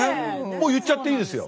もう言っちゃっていいですよ。